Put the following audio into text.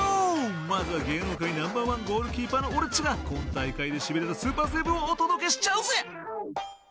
まずは芸能界ナンバー１ゴールキーパーの俺が今大会でしびれるスーパーセーブをお届けしちゃうぜ！